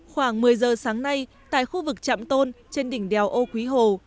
khoảng một mươi giờ sáng nay tại khu vực trạm tôn trên đỉnh đèo âu quý hồ